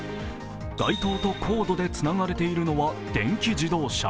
街灯でコードでつながれているのは電気自動車。